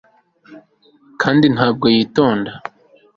kandi ntabwo yitonda